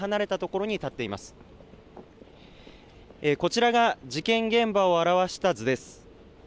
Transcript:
こちらが事件現場を表した図です。